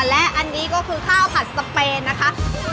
และอันนี้ก็คือข้าวผัดสเปนนะคะ